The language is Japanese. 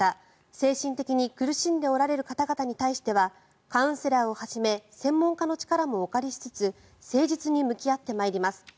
精神的に苦しんでおられる方々に対してはカウンセラーをはじめ専門家の力もお借りしつつ誠実に向き合ってまいります